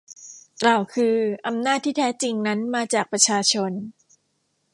กล่าวคืออำนาจที่แท้จริงนั้นมาจากประชาชน